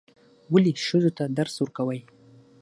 ولې ښځو ته درس ورکوئ؟